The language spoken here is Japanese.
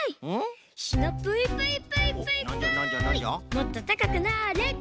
もっとたかくなれ！